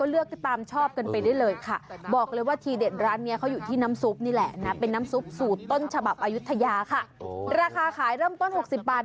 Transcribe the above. เลยโทรไปแจ้งให้คุณตำรวจนะครับ